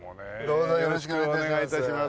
どうぞよろしくお願い致します。